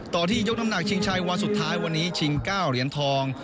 ที่ยกน้ำหนักชิงชัยวันสุดท้ายวันนี้ชิง๙เหรียญทอง